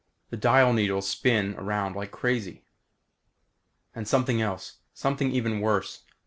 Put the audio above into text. The dial needles spin around like crazy. And something else something even worse.